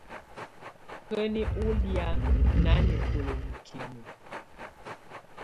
Hǝni ù lɛ̀á nanɛkɔla mikimǝ?